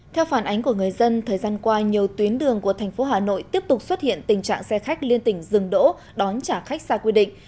theo phản ánh của người dân thời gian qua nhiều tuyến đường của thành phố hà nội tiếp tục xuất hiện tình trạng xe khách liên tỉnh dừng đỗ đón trả khách xa quy định